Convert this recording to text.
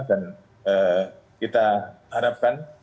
dan kita harapkan